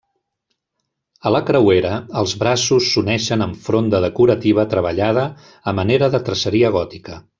A la creuera, els braços s'uneixen amb fronda decorativa treballada a manera de traceria gòtica.